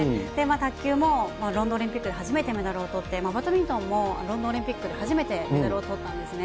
卓球もロンドンオリンピックで初めてメダルを取って、バドミントンもロンドンオリンピックで初めてメダルをとったんですね。